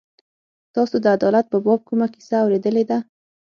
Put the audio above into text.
تاسو د عدالت په باب کومه کیسه اورېدلې ده.